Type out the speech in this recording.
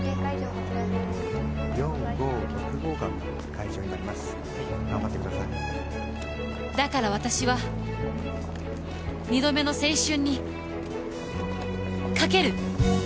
こちらです・４５６号館が会場になりますはい頑張ってくださいだから私は二度目の青春にかける！